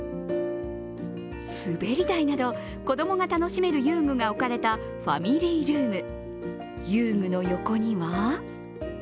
滑り台など、子供が楽しめる遊具が置かれたファミリールーム。